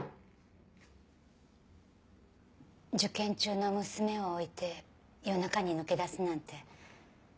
受験中の娘を置いて夜中に抜け出すなんて。